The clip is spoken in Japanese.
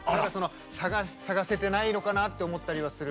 探せてないのかなと思ってたりする。